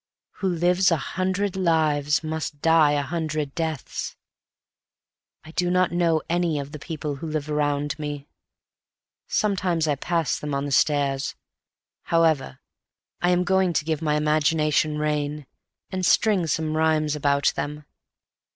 Who lives a hundred lives must die a hundred deaths. I do not know any of the people who live around me. Sometimes I pass them on the stairs. However, I am going to give my imagination rein, and string some rhymes about them.